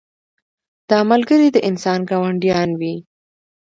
دا ملګري د انسان ګاونډیان وي.